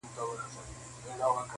دردونه ژبه نه لري چي خلک وژړوم-